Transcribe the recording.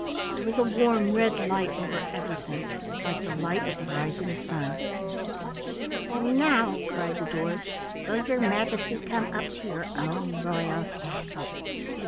There was a warm red light over everything, like the light of the rising sun. "And now," cried the dwarfs, "will your Majesty come up to your own royal castle?"